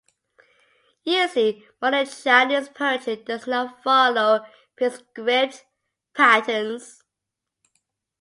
Usually Modern Chinese poetry does not follow prescribed patterns.